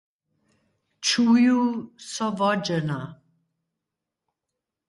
"Čuju so wodźena."